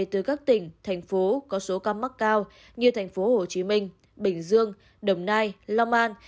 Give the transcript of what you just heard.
từ các tỉnh thành phố có số ca mắc cao như thành phố hồ chí minh bình dương đồng nai long an